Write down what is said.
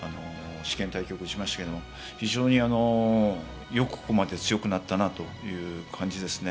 試験対局打ちましたけども非常によくここまで強くなったなという感じですね。